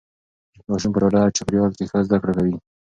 ماشوم په ډاډه چاپیریال کې ښه زده کړه کوي.